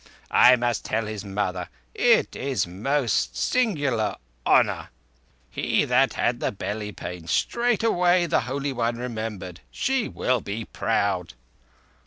_ I must tell his mother. It is most singular honour! 'He that had the belly pain'—straightway the Holy One remembered. She will be proud."